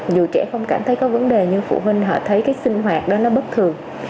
dù trẻ không cảm thấy có vấn đề nhưng phụ huynh họ thấy cái sinh hoạt đó nó bất thường